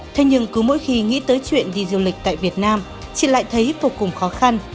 thế nhưng cứ mỗi khi nghĩ tới chuyện đi du lịch tại việt nam chị lại thấy vô cùng khó khăn